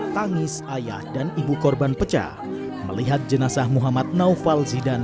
tangis ayah dan ibu korban pecah melihat jenazah muhammad naufal zidan